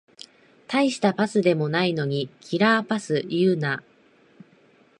たいしたパスでもないのにキラーパス言うな